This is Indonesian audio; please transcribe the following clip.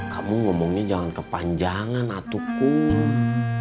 kamu ngomongnya jangan kepanjangan atuku